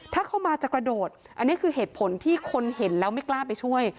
ถ้าเข้ามาจะกระโดดอันนี้คือเหตุผลที่คนเห็นแล้วไม่กล้าไปช่วย